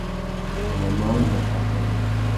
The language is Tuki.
A mà māh wenga kā kawi.